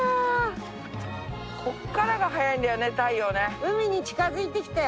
こっからが早いんだよね太陽ね。